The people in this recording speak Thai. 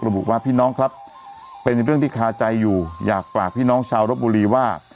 ระบุว่าพี่น้องครับเป็นเรื่องที่คาใจอยู่อยากฝากพี่น้องชาวรบบุรีว่า